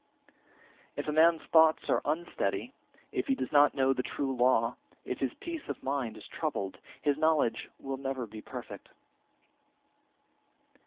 38. If a man's thoughts are unsteady, if he does not know the true law, if his peace of mind is troubled, his knowledge will never be perfect.